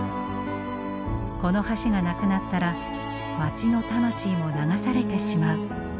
この橋がなくなったら街の魂も流されてしまう。